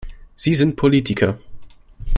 Sie sind Politiker.